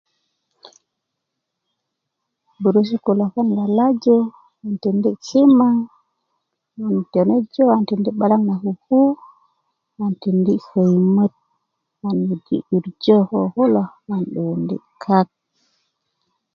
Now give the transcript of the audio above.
burusut kulo kon lalaju 'n tindi kimaŋ a jone jo an tikindi 'balaŋ na kuku an tindi koyimöt an yurji yurjö an 'dukundi kak